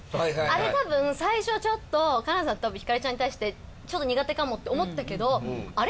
あれ多分最初ちょっと金田さん多分ひかりちゃんに対してちょっと苦手かもって思ったけど「あれ？